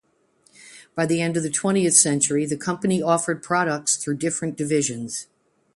By the turn of the twentieth century, the company offered products through different divisions.